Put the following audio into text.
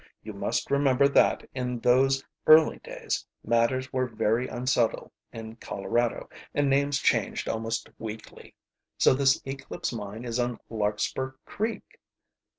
You must remember that in those, early days matters were very unsettled in Colorado, and names changed almost weekly." "So this Eclipse Mine is on Larkspur Creek?"